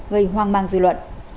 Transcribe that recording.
gây hoang mang dư luận